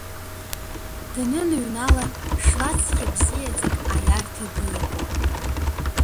Даныныҩнала шлацқьа бзиаӡак аиарҭа дылатәоуп.